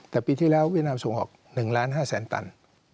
แต่ปีที่แล้วเวียดนามส่งออก๑๕๐๐๐ตัน